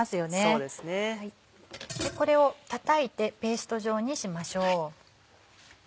これをたたいてペースト状にしましょう。